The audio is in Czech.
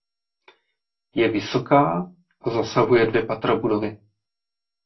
Je vysoká a zasahuje dvě patra budovy.